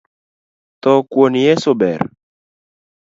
Tho kuon yeso ber.